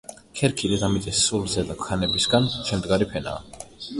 ქერქი - დედამიწის სულ ზედა, ქანებისგან შემდგარი ფენაა.